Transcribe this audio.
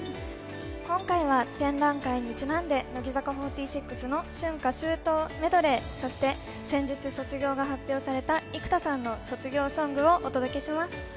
今回は展覧会にちなんで乃木坂４６の「春夏秋冬メドレー」そして、先日卒業が発表された生田さんの卒業ソングをお届けします。